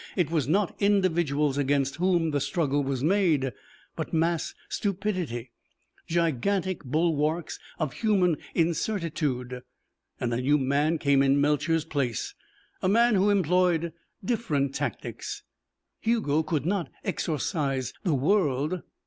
It was not individuals against whom the struggle was made, but mass stupidity, gigantic bulwarks of human incertitude. And a new man came in Melcher's place a man who employed different tactics. Hugo could not exorcise the world.